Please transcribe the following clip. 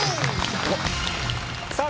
さあ